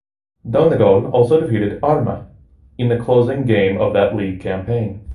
Donegal also defeated Armagh in the closing game of that league campaign.